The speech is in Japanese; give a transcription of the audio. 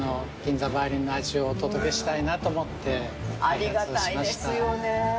ありがたいですよね。